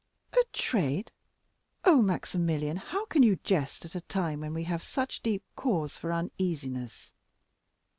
"A trade? Oh, Maximilian, how can you jest at a time when we have such deep cause for uneasiness?"